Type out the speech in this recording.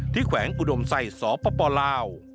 แขวงอุดมใส่สปลาว